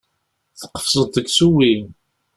Tqefzeḍ deg usewwi.